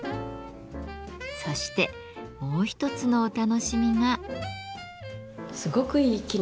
そしてもう一つのお楽しみが。